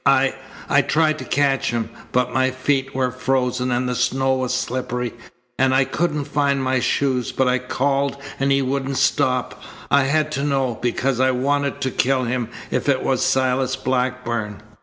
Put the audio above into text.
I I tried to catch him, but my feet were frozen, and the snow was slippery, and I couldn't find my shoes. But I called and he wouldn't stop. I had to know, because I wanted to kill him if it was Silas Blackburn.